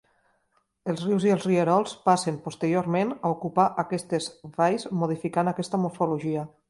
Els rius i els rierols passen, posteriorment, a ocupar aquestes valls, modificant aquesta morfologia.